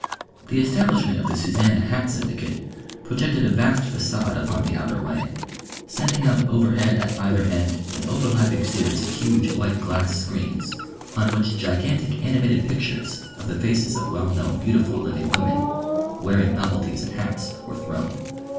The establishment of the Suzannah Hat Syndicate projected a vast façade upon the outer way, sending out overhead at either end an overlapping series of huge white glass screens, on which gigantic animated pictures of the faces of well known beautiful living women wearing novelties in hats were thrown.